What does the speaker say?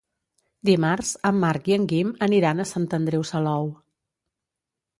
Dimarts en Marc i en Guim aniran a Sant Andreu Salou.